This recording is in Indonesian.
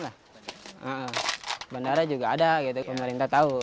banyak lah bandara juga ada pemerintah tahu